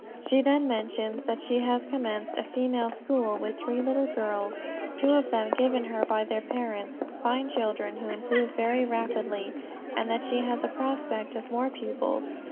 She then mentions that she has commenced a female school with three little girls, two of them given her by their parents, fine children, who improve very rapidly, and that she has a prospect of more pupils.